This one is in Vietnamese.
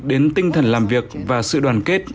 đến tinh thần làm việc và sự đoàn kết